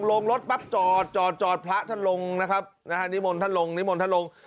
ลงรถปั๊บจอดจอดพระท่านลงนะครับนะฮะนิมนต์ท่านลงนิมนต์ท่านลง